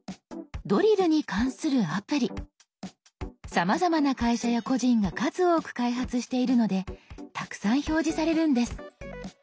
さまざまな会社や個人が数多く開発しているのでたくさん表示されるんです。